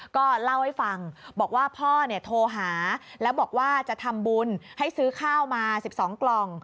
ก็เล่าให้ฟังบอกว่าพ่อเนี่ยโทรหาแล้วบอกว่าจะทำบุญให้ซื้อข้าวมา๑๒กล่อง